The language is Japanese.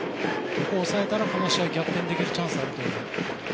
ここを抑えたら、この試合逆転できるチャンスがあるという。